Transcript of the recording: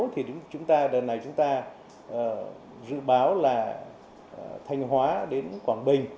thì đợt này chúng ta dự báo là thanh hóa đến quảng bình